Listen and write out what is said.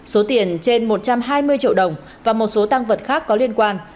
số tiền trên một trăm hai mươi triệu đồng và một số tăng vật khác có liên quan